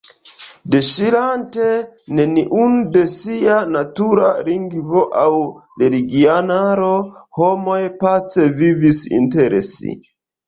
Deŝirante neniun de sia natura lingvo aŭ religianaro, homoj pace vivis inter si.